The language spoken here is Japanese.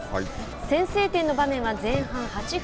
先制点の場面は前半８分